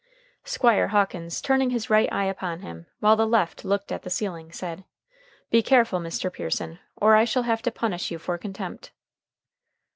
Squire Hawkins, turning his right eye upon him, while the left looked at the ceiling, said: "Be careful, Mr. Pearson, or I shall have to punish you for contempt."